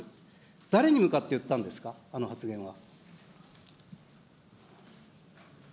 誰に向かって言ったんですか、あの発言は。